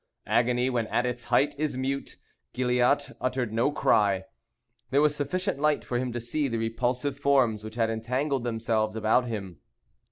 Agony when at its height is mute. Gilliatt uttered no cry. There was sufficient light for him to see the repulsive forms which had entangled themselves about him.